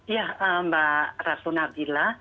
ya mbak ratu nabila